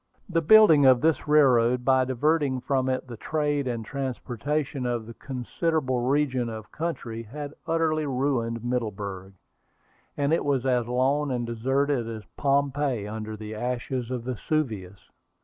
The building of this railroad, by diverting from it the trade and transportation of a considerable region of country, had utterly ruined Middleburg, and it was as lone and deserted as Pompeii under the ashes of Vesuvius.